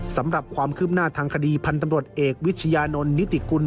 สำหรับความคืบหน้าทางคดีพันธ์ตำรวจเอกวิชญานนท์นิติกุล